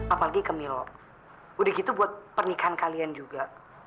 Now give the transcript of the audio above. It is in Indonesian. apalagi ke milo udah gitu buat pernikahan kalian juga